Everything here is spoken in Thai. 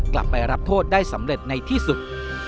กลับไปรับโทษได้สำเร็จในที่สุด